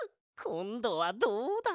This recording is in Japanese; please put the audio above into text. こんどはどうだ？